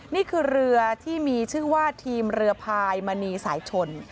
นี่คือเรือที่มีชื่อว่าทีมเรือพายมณีสายชน